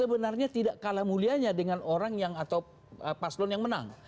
sebenarnya tidak kalah mulianya dengan orang yang atau paslon yang menang